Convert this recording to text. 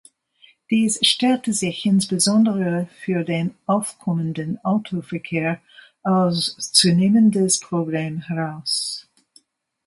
Dies stellte sich insbesondere für den aufkommenden Autoverkehr als zunehmendes Problem heraus.